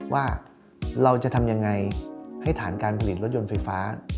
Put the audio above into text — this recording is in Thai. ว่าเราจะทำยังไงให้ฐานการผลิตรถยนต์ไฟฟ้า